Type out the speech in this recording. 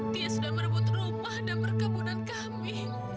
dia sudah merebut rumah dan perkebunan kambing